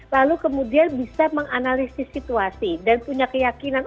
lalu kemudian bisa menganalisis situasi dan punya keyakinan